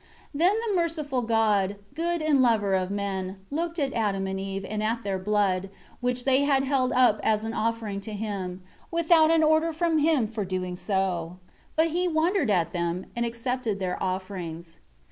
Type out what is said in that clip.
1 Then the merciful God, good and lover of men, looked at Adam and Eve, and at their blood, which they had held up as an offering to Him; without an order from Him for so doing. But He wondered at them; and accepted their offerings.